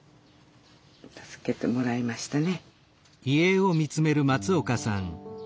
助けてもらいましたね。